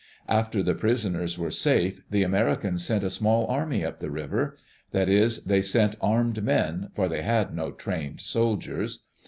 After the prisoners were safe, the Americans sent a small army up the river. That is, they sent armed men, for they had no trained soldiers.